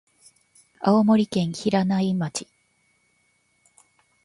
青森県平内町